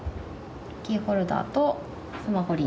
キーホルダーとスマホリング。